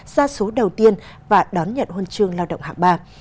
ra số đầu tiên và đón nhận huân chương lao động hạng ba